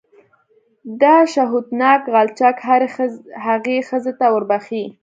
دا شهوتناک غلچک هرې هغې ښځې ته وربښې.